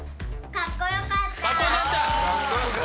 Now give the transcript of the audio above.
かっこよかった！